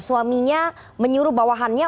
suaminya menyuruh bawahannya